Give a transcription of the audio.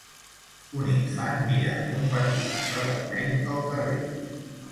Un infant mira un parquímetre vermell al carrer.